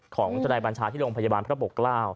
ของทนายบัญชาที่โรงพยาบาลพระบก๙